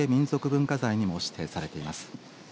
文化財にも指定されています。